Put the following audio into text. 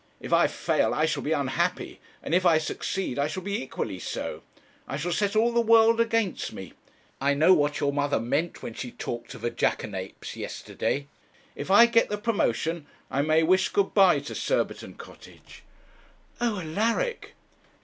'If I fail I shall be unhappy, and if I succeed I shall be equally so. I shall set all the world against me. I know what your mother meant when she talked of a jackanapes yesterday. If I get the promotion I may wish good bye to Surbiton Cottage.' 'Oh, Alaric!'